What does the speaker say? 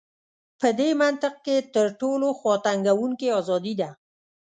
په دې منطق کې تر ټولو خواتنګوونکې ازادي ده.